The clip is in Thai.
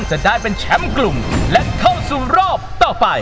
จะได้เป็นแชมป์กลุ่มและเข้าสู่รอบต่อไป